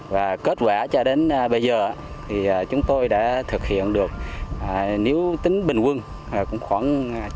và kết quả cho đến bây giờ thì chúng tôi đã thực hiện được nếu tính bình quân khoảng chín mươi